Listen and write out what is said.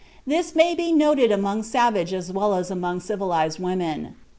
This may be noted among savage as well as among civilized women.